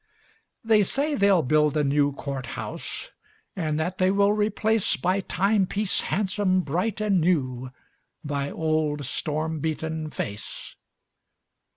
They say they'll build a new court house, And that they will replace By timepiece handsome, bright and new Thy old storm beaten face.